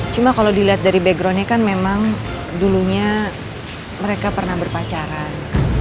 cuma kalau dilihat dari backgroundnya kan memang dulunya mereka pernah berpacaran